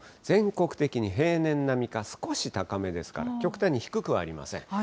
全国的に平年並みか、少し高めですから、極端に低くはありません。